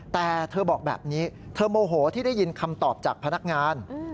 แต่เธอบอกแบบนี้เธอโมโหที่ได้ยินคำตอบจากพนักงาน